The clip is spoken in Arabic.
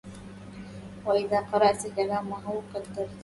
وإذا قرأت كلامه قدرته